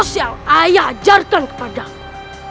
jurus yang ayah ajarkan kepadamu